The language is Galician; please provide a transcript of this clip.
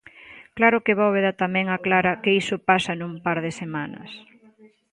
Claro que Bóveda tamén aclara que iso pasa nun par de semanas.